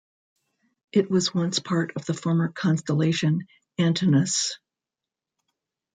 It was once part of the former constellation Antinous.